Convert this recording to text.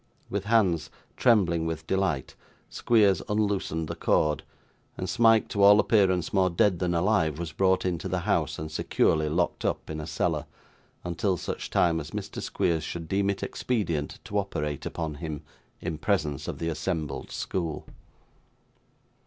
With hands trembling with delight, Squeers unloosened the cord; and Smike, to all appearance more dead than alive, was brought into the house and securely locked up in a cellar, until such time as Mr. Squeers should deem it expedient to operate upon him, in presence of the assembled school.